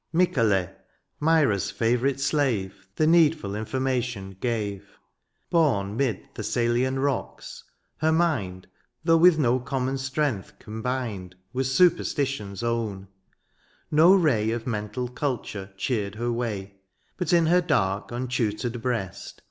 Mycale, Myra's favourite slave, The needful information gave. Bom 'mid Thessalian rocks — ^her mind, {q) Though with no common strength combined Was superstition's own ; no ray Of mental culture cheered her way ; But in her dark untutored breast.